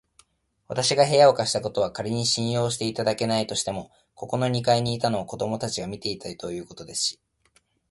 わたしが部屋を貸したことは、かりに信用していただけないとしても、ここの二階にいたのを子どもたちが見たということですし、